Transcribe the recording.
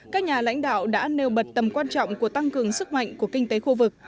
các nhà lãnh đạo đã nêu bật tầm quan trọng của tăng cường sức mạnh của kinh tế khu vực